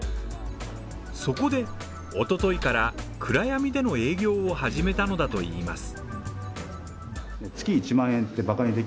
そこで、おとといから暗闇での営業を始めたのだといいます。